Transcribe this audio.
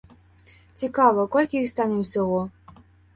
Цікава, колькі іх стане ўсяго?